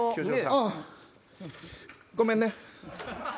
あぁ。ごめんね。